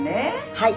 はい。